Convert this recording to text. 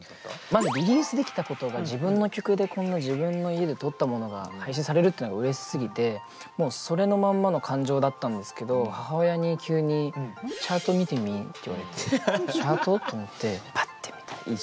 まずリリースできたことが自分の曲でこんな自分の家で録ったものが配信されるっていうのがうれしすぎてもうそれのまんまの感情だったんですけど母親に急に「チャート見てみ」って言われて「チャート？」と思って